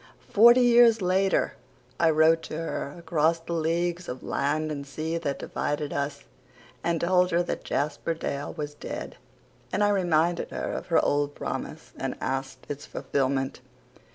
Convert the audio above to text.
Forty years later I wrote to her, across the leagues of land and sea that divided us, and told her that Jasper Dale was dead; and I reminded her of her old promise and asked its fulfilment.